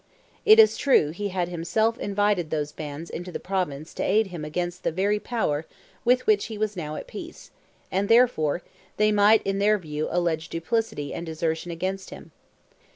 It is true he had himself invited those bands into the Province to aid him against the very power with which he was now at peace, and, therefore, they might in their view allege duplicity and desertion against him.